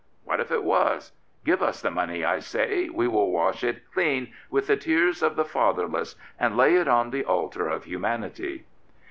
What if it was? Give us the money, I say; we will wash it clean with the tears of the fatherless and lay it on the altar of humanity."